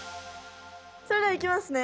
それではいきますね。